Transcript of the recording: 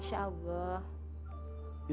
doakan saja bu hasan